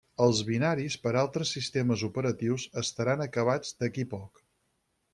Els binaris per altres sistemes operatius estaran acabats d'aquí poc.